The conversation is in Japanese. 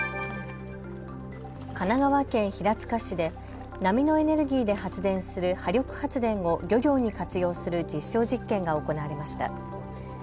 神奈川県平塚市で波のエネルギーで発電する波力発電を漁業に活用する実証実験が行われました。